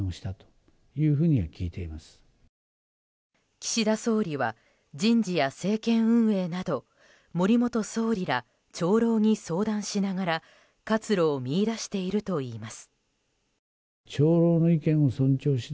岸田総理は人事や政権運営など森元総理ら、長老に相談しながら活路を見いだしているといいます。